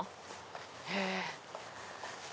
へぇ。